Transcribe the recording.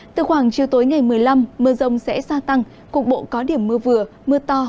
từ khoảng chiều tối ngày một mươi năm mưa rông sẽ gia tăng cục bộ có điểm mưa vừa mưa to